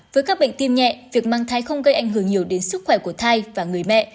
với các bệnh tim nhẹ việc mang thai không gây ảnh hưởng nhiều đến sức khỏe của thai và người mẹ